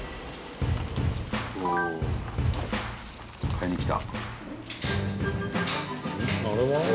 伊達：買いに来た。